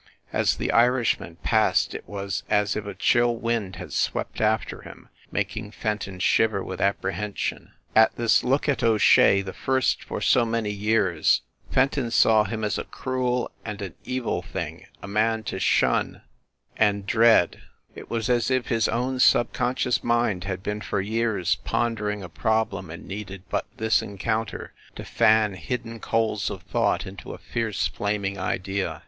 As the Irishman passed it was as if a chill wind had swept after him, mak ing Fenton shiver with apprehension. At this look at O Shea, the first for so many years, Fenton saw him as a cruel and an evil thing, a man to shun and 30 FIND THE WOMAN dread. It was as if his own sub conscious mind had been for years pondering a problem and needed but this encounter to fan hidden coals of thought into a fierce flaming idea.